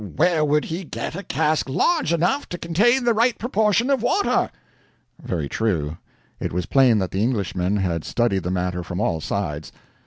"Where could he get a cask large enough to contain the right proportion of water?" Very true. It was plain that the Englishman had studied the matter from all sides.